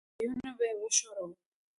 تيونه به يې وښورول.